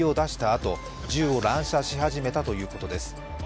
あと銃を乱射し始めたということです。